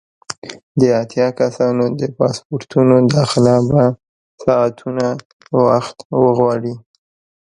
د اتیا کسانو د پاسپورټونو داخله به ساعتونه وخت وغواړي.